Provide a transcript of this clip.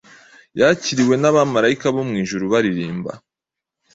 yakiriwe n’abamarayika bo mu ijuru baririmba.